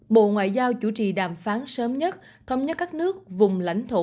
bộ ngoại giao chủ trì đàm phán sớm nhất thông nhất các nước vùng lãnh thổ